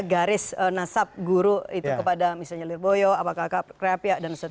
garis nasab guru itu kepada misalnya lirboyo apakah kreapia dan sebagainya